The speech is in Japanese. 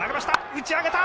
打ち上げた。